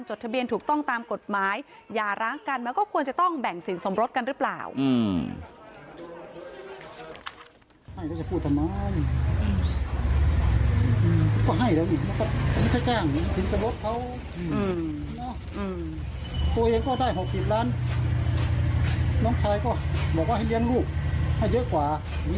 ทะเบียนถูกต้องตามกฎหมายอย่าร้างกันมันก็ควรจะต้องแบ่งสินสมรสกันหรือเปล่า